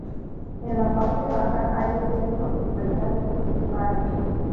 En la parte baja hay desiertos y paisajes esteparios.